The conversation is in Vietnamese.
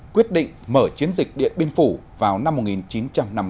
quyết định mở chiến dịch điện biên phủ vào năm một nghìn chín trăm năm mươi bốn